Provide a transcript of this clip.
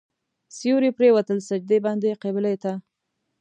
سیوري پرېوتل سجدې باندې قبلې ته.